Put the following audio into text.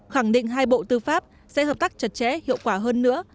khẳng định hai bộ tư pháp sẽ hợp tác chặt chẽ hiệu quả hơn nữa